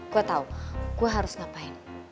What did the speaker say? gue tau gue harus ngapain